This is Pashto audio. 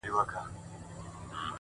حوصله د سختو حالاتو رڼا ده.!